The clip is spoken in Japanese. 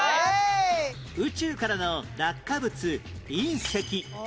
宇宙からの落下物隕石